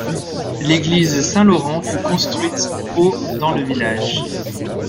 L'église Saint-Laurent fut construite au dans le village.